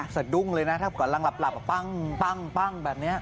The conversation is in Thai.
สะดุ้งเลยนะถ้ากำลังหลับปั้งแบบนี้